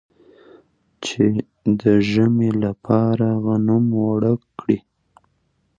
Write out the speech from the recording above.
چې د ژمي لپاره غنم اوړه کړي.